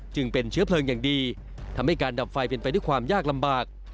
จึงเป็นเชื้อเพลิงอย่างดีทำให้การดับไฟเป็นไปด้วยความยากลำบาก